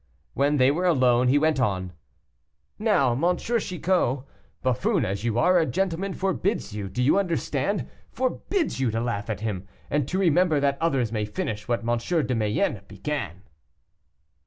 When they were alone, he went on, "Now, M. Chicot, buffoon as you are, a gentleman forbids you; do you understand? forbids you to laugh at him, and to remember that others may finish what M. de Mayenne began."